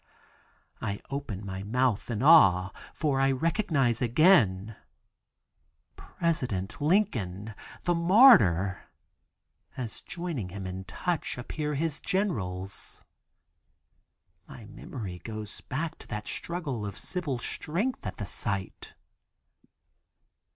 I open my mouth in awe, for I recognize again President Lincoln—the martyr, as joining him in touch appear his generals. My memory goes back to that struggle of civil strength, at the sight.